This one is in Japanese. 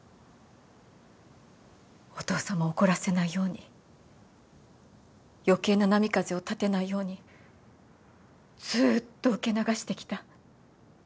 お父さまを怒らせないように余計な波風を立てないようにずっと受け流してきた。